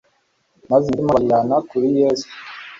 maze imitima yabo bayiyana kuri Yesu.